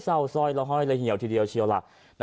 เศร้าสร้อยละห้อยละเหี่ยวทีเดียวเชียวล่ะ